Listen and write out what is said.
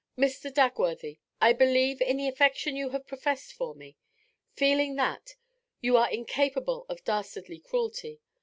Mr. Dagworthy, I believe in the affection you have professed for me; feeling that, you are incapable of dastardly cruelty.